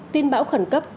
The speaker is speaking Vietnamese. tin báo khẩn cấp